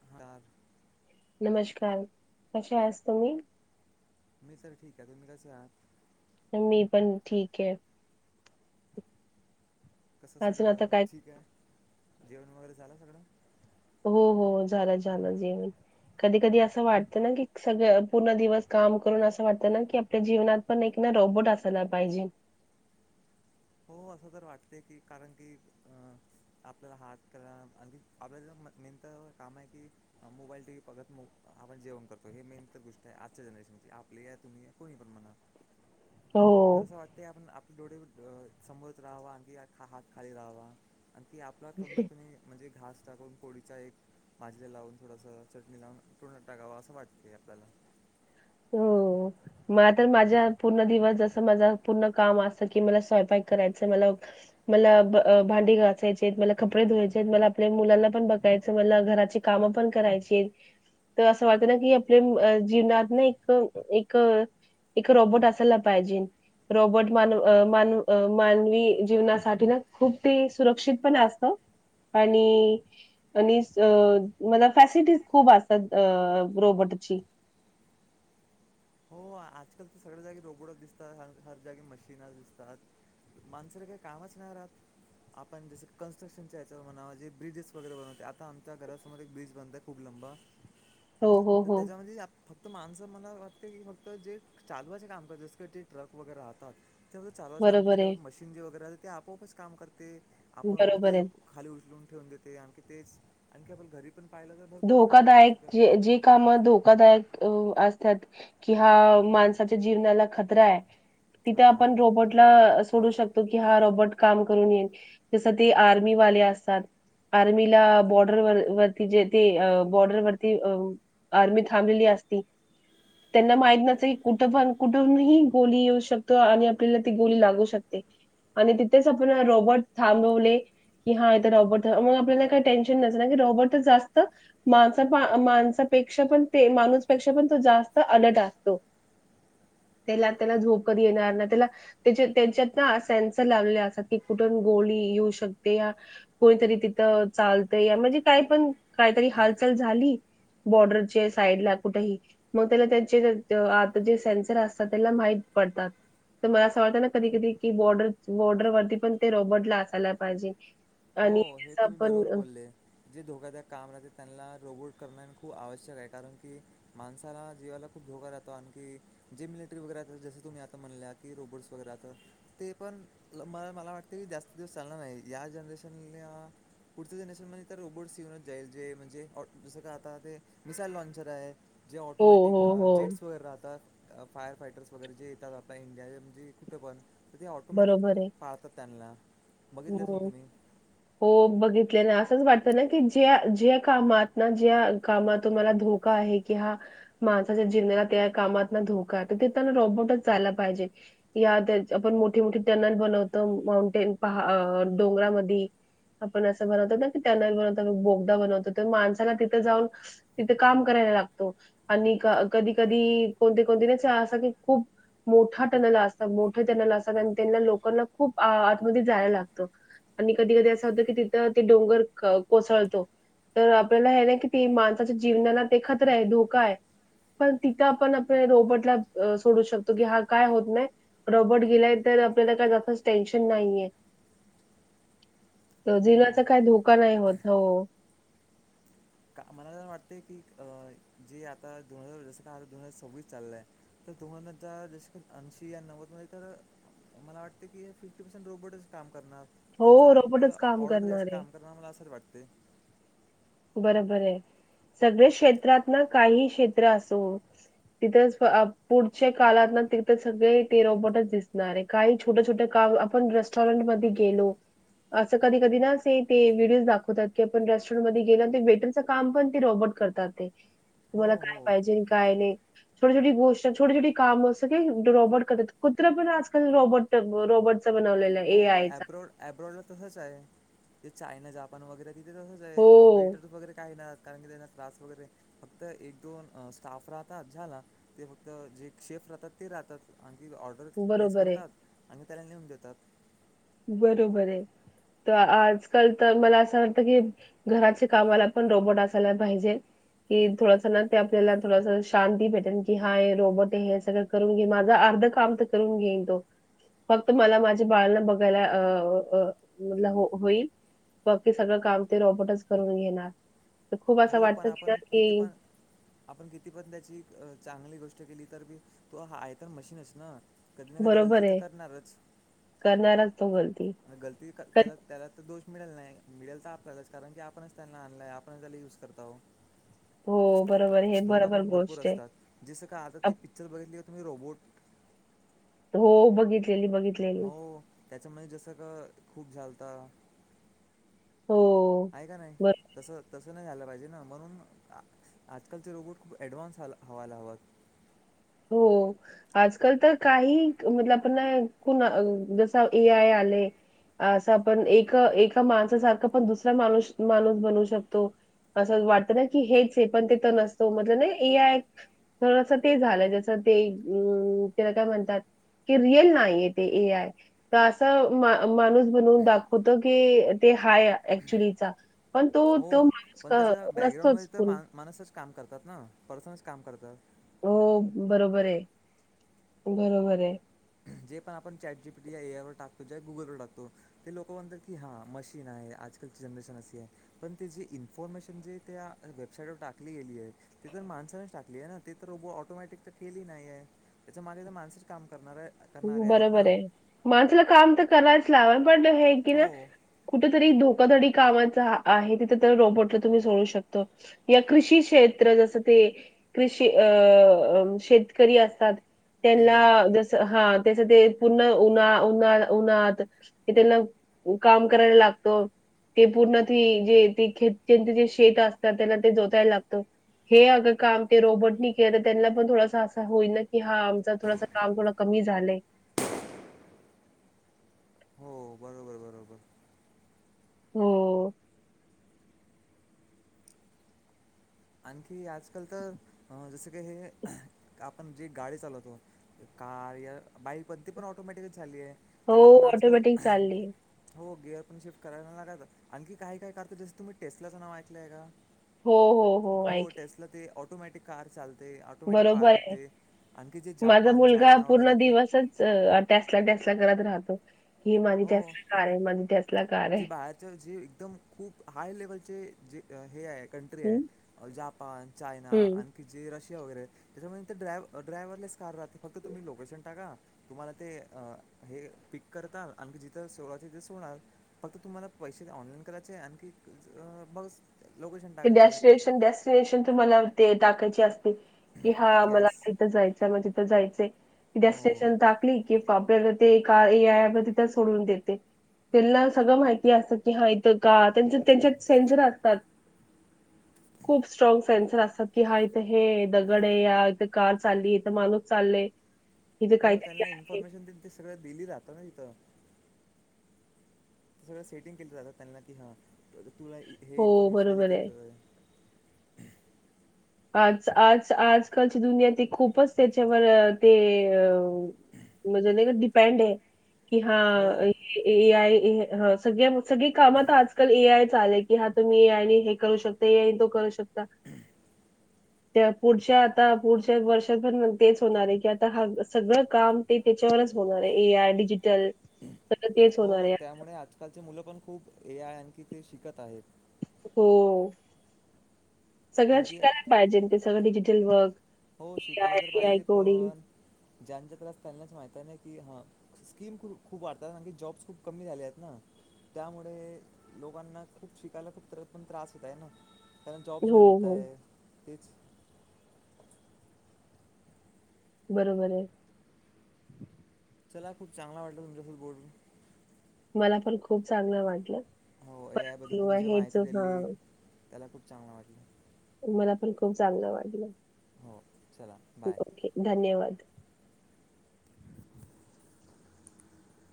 [unintelligible] नमस्कार! कसे आस तुम्ही? मी तर ठीक आहे. तुम्ही कसे आहात? मी पण ठीक आहे. कसं अजून आता सगळं काय ठीक आहे. जेवण वगैरे झालं सगळं? हो हो झाला झालं जेवण. कधी कधी असं वाटतं ना की सगळं पूर्ण दिवस काम करून असं वाटतं ना की आपल्या जीवनात. पण एक ना रोबोट असायला पाहिजे. हो असं तर वाटतेय की कारण की अ आपल्याला हात क आण आपल्याला मेन तर काम आहे की. हा मोबाईल टी वही पगत आपण जेवण करतो हे मेन तर गोष्ट आहे आजच्या जनरेशनची आपली आहे तुम्ही आहे कोणी पण म्हणा. [unintelligible] तर असं वाटतं आपण आपले डोळे समोरत राहावा आणखी हात खाली राहावा आणि ती आपला तोंडतुनी म्हणजे घास टाकून पोळीच्या एक भाजे लावून थोडंसं चटणी लावून टोन टाकावा असं वाटते आपल्याला हो. मला तर माझ्या पूर्ण दिवस जसं माझं पूर्ण काम असं कि मला स्वयंपाक करायचं मला मला भांडी घासायचे मला कपडे धवायचे आहेत मला आपल्या मुलांना पण बघायचं मला घराची काम पण करायची तर असं वाटतं ना की आपल्या जीवनात ना एक एक रॉबोट असायला पाहिजे. रॉबोट मान अ मान अ मानवी जीवनासाठी ना खूप ते सुरक्षित पण असत आणि आणि अ फॅसिलिटीज खूप असतात अ रोबोटची हो आजकाल तर सगळ्या जागी रोबोटच दिसतात हर जागे मशीनच दिसता माणसाला काही कामच नाही राहात आपण जस कनस्ट्रक्नच्या याच्यावर म्हणा जे ब्रिजेस वैगेरे बनवते आता आमच्या घरासमोर एक ब्रिज बनतय. खूप लंबा [unintelligible] तर हो. त्याच्यामध्ये फक्त माणसं मला की फक्त जे चालवाचे काम करतात जसं ते ट्रक वगैरे राहतात ते फक्त चालवाचे काम करतात बरोबर आहे. त्याच्या मशीन. [inaudible] वगैरे असते ते आपोआपच काम करते आपोआप बरोबर ते आहे. खाली उचलून ठेवून देते आणखी तेच आणखी आपण घरी- आपण पाहिलं तर भरपूर मशीन आहे धोकादायक, जसं का जे जी काम धोकादायक हो असतात. कि हा माणसाच्या जीवनाला खतरा आहे तिथं आपण हां रोबोट- सोडू शकतो की हा रोबोट काम करून येईल, जस ते आर्मीवाले असतात. आर्मीला बॉर्डरवार वरती जे- ते अ बॉर्डरवरती अ आर्मी थांबलेली असती. त्यांना माहित नसत की कुठं पण कुठूनही गोली येऊ शकतो आणि आपल्याला ती गोली लागू शकते. आणि तिथेच आपण रोबोट थांबवले कि हा इथ रोबोट मग आपल्याला काही टेन्शन नसत ना, की रोबोट च जास्त माणसा, माणसापेक्षा पण ते माणूसपेक्षा पण तो जास्त अलर्ट असतो.. तेला, तेला झोप कधी येणार नाही, त्याला- त्या त्यांच्यात ना सेन्सर लावले असात की कुठून गोली येऊन शकते. या- कोणीतरी तिथं चालतंय या म्हणजे काय पण काहीतरी हालचाल झाली. बॉर्डर चे साईड ला कुठेही मग तेला त्याचे आता जे सेन्सर असतात त्याला माहीत पडतात. तर मला असं वाटतं ना कधी कधी की बॉर्डर बॉर्डरवरती पण ते रॉबर्टला असायला पाहिजे. आणि हो, हे जसं तुम्ही आपण बरोबर बोलले. जे धोकादायक काम राहते त्यांना रोबोट करण खूप आवश्यक आहे. कारण की- माणसाला जीवाला खूप धोका राहतो. आणखी- जे मिलिटरी वगैरे रहात जस तुम्ही आता म्हणले की रोबोटस वगैरे आता - ते पण मला मला वाटते जास्त दिवस चालणार नाही. या जनरेशनने- पुढचं जनरेशन मध्ये तर रोबोट्स येऊनच जाईल जे म्हणजे जसं का आता ते मिसाईल लॉन्चर आहे. जे हो ऑटोमॅटिक हो हो जेट्स वगैरे राहतात. फार फायटर्स वगैरे जे येतात आपल्या इंडियाचे म्हणजे कुठं पण तर ते ऑटोमॅटिक फार तर त्यांना बघितले असेल हम्.. तुम्ही हो बघितले ना असंच वाटतं ना की ज्या ज्या कामात ना ज्या कामात तुम्हाला धोक- का आहे की, हा- माणसाच्या जीवाला त्या कामात ना धोका आहे तर ते त्यांना रोबोटच जायला पाहिजे या त्याच्या मोठी मोठी टनल बनवतो माउंटेन पहा डोंगरामधी - आपण असं बनवतो ना की टनल बनवतात बोगदा बनवतो. तर माणसाला तिथं जाऊन- तिथे काम करायला लागतो. आणि कधी कधी कोणते कोणतेच असं की खूप- मोठा टनल असतात. मोठे टनल असतात आणि त्यांना लोकांना खूप आतमध्ये जायला लागतं. आणि कधी कधी असं होतं की तिथं ते डोंगर कोसळतो. तर आपल्याला हे ना कि ते माणसाच्या जीवनाला ते खतरा आहे धोका आहे. पण तिथं आपण आपल्या रोबोटला सोडू शकतो की हा काय होत नाही. रोबोट गेलाय तर आपल्याला काय जास्तच टेन्शन नाहीये. त जिनाचा हो. काही धोका नाही होत हो. मलाण वाटतेय की अ जे आता दोन हजार जसं का दोन हजार सव्वीस चालय तर दोघां जसे ऐंशी या नव्वद मध्ये तर मला वाटतं की हे फिफ्टी पर्सेंट रोबोटस काम करणार हो माणसाला फक्त रोबोटच काम ऑर्डर करणार द्यायचं आहे काम करनारं मला असं वाटते.. बरोबर आहे. सगळे क्षेत्रात ना काहीही क्षेत्र असो तिथंच आ पुढच्या काळात ना तिथं सगळे ते रोबोटच दिसणार आहे. काही छोट्या छोट्या का आपण रेस्टॉरंट मधे गेलो असं कधी कधीना असे ते व्हिडियोज दाखवतात की आपण रेस्टॉरंटध्ये गेलो ते वेटरच काम पण ते रोबोट करतात ते हो, तुम्हाला काय हो. पाहिजे काय नाही? छोटी, छोटी गोष्ट छोेटी, छोटी काम सगळी हे रोबोट करतात. कुत्र पण आजकाल रोबोट ते ब रोबटचं बनवलेल. हो अँब्रोड, अँब्रोडला तसंच आहे ते चायना जापान वगैरे तिथे तसंच आहे हो, वेटर वगैरे काय नहत. कारण की त्यांना [unintelligible] वगैरे फक्त एक दोन स्टाफ राहतात झाला. ते फक्त जे शेफ राहतात ते राहतात. आणखी ऑर्ड ऑर्डर प्लेस बरोबर आहे. करतात आणि् त्याला नेऊन देतात. बरोबर आहे त आजकाल तर मला असं वाटतं की घराचे कामाला पण रोबोट असायला पाहिजे. कि थोडंस ना ते आपल्याला थोडस शांती भेटेन की हा हे रोबोट आहे, हे सगळं करून घेईन, माझ अर्ध काम तर करून घेईन तो. फक्त मला माझ्या बाळाला बघ बघायला अ अ [unintelligible] होईल. बकी सगळं काम ते रोबोटच करून घेणार. तर खूप असं हो, वाटत पण की आपण किती की पण आपण किती पण त्याची अ चांगली गोष्ट केली तर बी तो आहे तर मशीनच ना? कधी ना कधी बरोबर गलती तर आहे. करणारच करणारच तो गलती. म गलती क कट त्याला त्याला तर दोष मिळेल नाय. मिळेल तर आपल्यालाच कारण की आपणच त्यांना आणलाय आपणच त्यांना यूज करताव. हो बरोबर, हे बरोबर भरपूर गोष्ट आहे. असतात जसं का आता ते अप पिक्चर बघितली होती मी रोबोट हो बघितलेली बघित हो त्याच्यामध्ये जसं का खूप झालता. हाय का नाही? हो. तसं तसं नाही झाल पाहिजे ना, म्हणून आ आजकालचे रोबोट खूप ॲडव्हान्स हाल हवायला हवत. हो. आजकाल तर काही [unintelligible] आपण ना कोण अ जस ए आय आले असं आपण एक, एका माणसा सारखा पण दुसरा माणू माणूस बनवू शकतो असंच वाटतं ना की हेच आहे पण ते तर नसतो म्हटल नइ ए आय थोडस तेच झालय. जस ते उ तेला काय म्हणतात की रियल नाही आहे ते. ए आय तर अस मा माणूस बनवून दाखवतो की ते हाय एक्च्युलीचा पण तो, हो तो माणूस क नसतोच कुणी माणूसच काम करतात ना? पर्सनच काम करतात. ओ बरोबर आहे, बरोबर आहे. जे पण आपण chat G P T, A I वर टकतो, ज गुगलवर टाकतो ते लोक म्हणतात की हा मशीन आहे, आजकालची जनरेशन अशी आहे. पण ते जी इन्फॉर्मेशन जे त्या वेबसाईटवर टाकली गेली आहे ती तर माणसानेच टाकलीये ना, ते तर रोबो ऑटोमॅटिक तर ठेली नाहीये. त्याच्या मागे तर माणसच काम करणार आहे. करणारे आहेत ना बरोबर आहे. माणसाला काम तर कराव च लागल पण ते हे की ना हो कुठेतरी धोकाधडी कामाचा आहे, तिथं तर रोबोटला तुम्ही सोडू शकतो. ये कृषी क्षेत्र जस ते कृष अ शेतकरी असतात त्यांना केंद्र हा त्याच ते पुन्हा उन उन्हा उन्हात कि त्यांना काम करायला लागतो. ते पूर्ण त जे ते खचे जे शेत असतात त्यांना ते जोतायला लागतं. हे अगं काम ते रोबोट नि केलं तर त्यांना पण थोडासा असा होईल ना कि हा आमच थोडंस काम थोडं कमी झालंय. हो बरोबर बरोबर. हो. आणखी आजकाल तर जसं की हे आपण जी गाडी चालवतो कार या बाईक पणती पण ऑटोमॅटिक झाली आहे. हो त्याला पण अजकाल ऑटोमॅटिक चालली हो गिअर पण शिफ्ट करायला लागाचं आणखी काही काय करतो जसं तुम्ही टेस्लाचं नाव ऐकलंय का? हो हो. हो टेसला ते ट ऑटोमॅटिक कार चालते ऑटोमॅटिक बरोबर पार्क आहे करते आणखी जे जापान, चायना वगैरे ते टॅस्टला टेस्टला करत राहतो की माझी हो टॅस्टला कार आहे माझी टॅस्टला कार आहे जे बाहेरच्या जे एकदम खूप हाय लेवलचेे हे आहे कंट्री आहे हम्म जापान, चायना हम्म. की जी रशिया वगैे त्याच्यामुळे ते ड्राय ड्रायव्हरलेस कार राहते फक्त तुम्ही लोकेशन टाका तुम्हाला ते हे पिक करता आणखी जिथं सोडायचं तिथे सोडणार फक्त तुम्हाला पैसे ऑनलाईन करायचे आहे आणखी मग ते डेस्टिनेशन डेस्टिनेशन तुम्हाला ते टाकायचे असते कि हा मला गॅस तथ जायचं मग तिथं जायच हो डेस्टिनेशन टाकली कि आपल्याला ते एका ए आय तिथ सोडून देते. त्यांना सगळं माहिती असतं की हा इथं का त्यां त्यांच्या सेंचर असतात खूप स्ट्राँग सेन्सर असतात की हा इथे हे दगड आहे या इथे कार चालली इथं माणूस चाललेय [inaudible] हो त्यांना इन्फॉर्मेशन ते सगळं दिली राहत ना तिथं ते सगळं सेटिंग केलं जातात त्यां ना की हां तुला हे हो, इन्फॉर्मेशन दिली बरोबर आहे. तिथं आज आज आजकालची दुनिया ते खूपच त्याच्यावर ते अ मज डिपेड आहे की हा हो ए आय सगळ्या सगळी कामात आजकाल ए आय चालेल कि हा तुम्ही येयई हे करू शकता येई तो करू शकता हम [inaudible] त्या पुढच्या आता पुढच्या वर्षात पण तेच होणार आहे की आता हा सगळं काम ते त्याच्यावरच बोलणार आहे ए आय डिजिटल सगळं तेच हो होणार आहे. त्यामुळे आजकालचे मुलं पण खूप ए आय आणखी ते शिकत आहेत हो सगळ्या आणखी शिकायला पाहिजे ते सगळं डिजिटल वर्क हो ए शिकायला आय तर ए आय पाहिजे कोडिंग पण ज्यांच्या तलाास त्यांनाच माहत नाही की हा स्कीम खू खूप वाढतात आणखी जॉब्स खूप कमी झाले आहेत ना. त्यामुळे लोकांना खूप शिकायला खूप तरत पण त्रास होत आहे ना. कारण जॉब्स हो नाही विटत हो आहे तीच बरोबर आहे. चला खूप चांगला वाटला तुमच्यासी बोलून. मला पण खूप चांगलं वाटलं. हो ए आय बद्दल तुम्ही जे हेच माहिती दिली, हां त्याला खूप चांगला वाटल. मला पण खूप चांगल वाटल. हो चला बाय. ओके धन्यवाद. [inaudible]